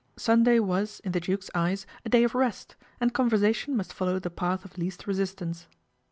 Sunday was, in the Duke's eyes, ; day of rest, and conversation must follow the jath of least resistance.